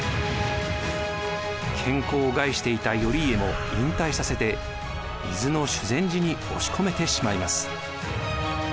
健康を害していた頼家も引退させて伊豆の修禅寺に押し込めてしまいます。